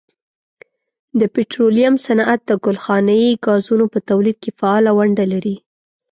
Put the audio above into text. د پټرولیم صنعت د ګلخانهیي ګازونو په تولید کې فعاله ونډه لري.